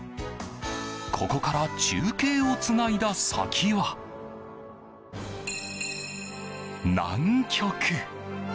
ここから中継をつないだ先は南極！